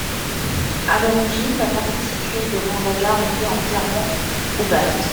À l'origine, la partie située devant la gare était entièrement ouverte.